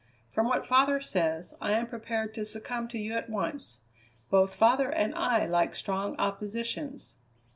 From what father says, I am prepared to succumb to you at once. Both father and I like strong oppositions!"